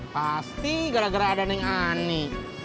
pasti gara gara ada yang aneh